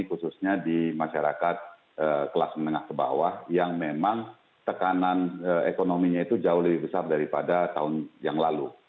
khususnya di masyarakat kelas menengah ke bawah yang memang tekanan ekonominya itu jauh lebih besar daripada tahun yang lalu